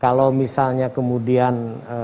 kalau misalnya kemudian